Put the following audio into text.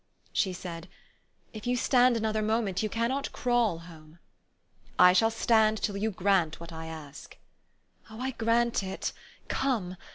She said, " If you stand another moment, you cannot crawl home." " I shall stand till you grant what I ask." "Oh, I grant it! Come!